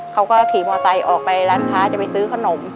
เขาก็ขี่มอไซค์ออกไปร้านค้าจะไปซื้อขนม